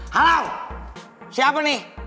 halau siapa nih